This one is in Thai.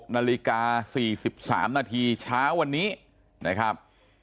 นาฬิกา๔๓นาทีเช้าวันนี้นะครับ